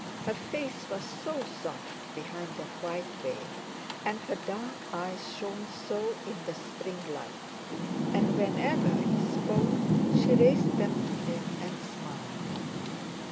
Her face was so soft behind that white veil, and her dark eyes shone so in the spring light, and whenever he spoke she raised them to him and smiled.